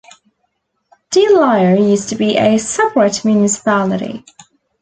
De Lier used to be a separate municipality.